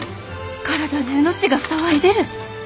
体中の血が騒いでる。